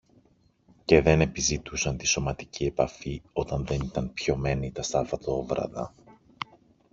και δεν επιζητούσαν τη σωματική επαφή όταν δεν ήταν πιωμένοι τα Σαββατόβραδα